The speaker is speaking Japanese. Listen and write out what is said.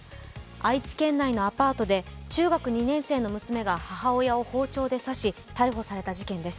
愛知県内のアパートで中学２年生の娘が母親を包丁で刺し、逮捕された事件です。